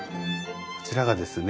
こちらがですね